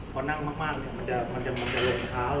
พอนั่งมากมันจะมันจะเร่งขาแล้วมันจะบวม